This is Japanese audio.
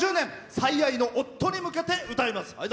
最愛の夫に向けて歌います。